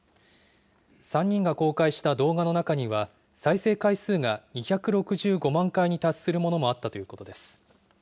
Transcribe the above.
３人が公開した動画の中には、再生回数が２６５万回に達するものもあったということです。